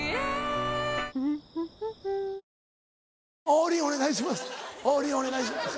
王林お願いします